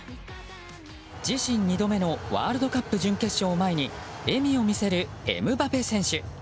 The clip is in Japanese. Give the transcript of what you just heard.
自身２度目のワールドカップ準決勝を前に笑みを見せるエムバペ選手。